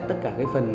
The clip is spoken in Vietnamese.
tất cả cái phần